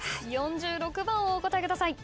４６番をお答えください。